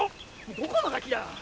どこのガキだ？